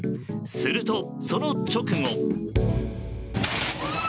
すると、その直後。